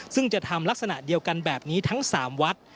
ซึ่งจะทำลักษณะเดียวกันแบบนี้ทั้ง๓วัด